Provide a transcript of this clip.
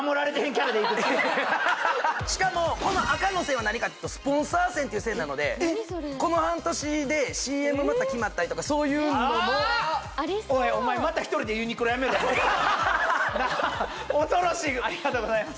しかもこの赤の線は何かというとスポンサー線っていう線なのでこの半年でＣＭまた決まったりとかそういうのもおいお前ありがとうございます